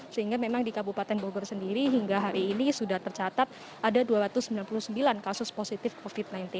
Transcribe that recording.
sehingga memang di kabupaten bogor sendiri hingga hari ini sudah tercatat ada dua ratus sembilan puluh sembilan kasus positif covid sembilan belas